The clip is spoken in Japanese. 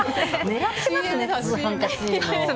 狙ってますね。